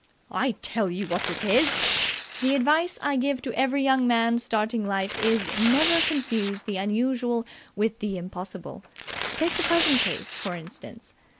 "I tell you what it is " "The advice I give to every young man starting life is 'Never confuse the unusual with the impossible!' Take the present case, for instance.